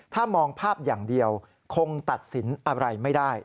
ถ้ามองภาพอย่างเดียวคงตัดสินอะไรไม่ได้